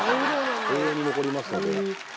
永遠に残りますので。